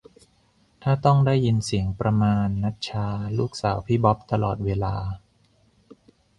ถ้าต้องได้ยินเสียงประมาณนัทชาลูกสาวพี่บ๊อบตลอดเวลา